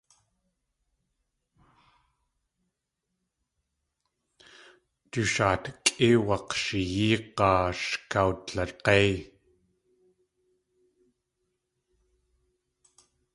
Du shaatkʼí wak̲shiyeeg̲áa sh kawjig̲éiy.